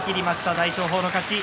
大翔鵬の勝ち。